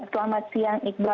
selamat siang iqbal